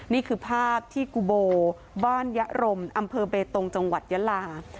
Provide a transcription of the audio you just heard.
นี่คือภาพที่กุโบบ้านยะรมอำเภอเบตงจังหวัดยะลา